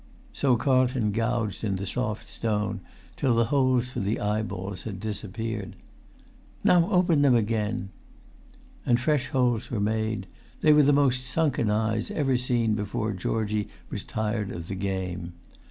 So Carlton gouged in the soft stone till the holes for the eyeballs had disappeared. "Now open them again!" And fresh holes were made: they were the most sunken eyes ever seen before Georgie was tired of the game.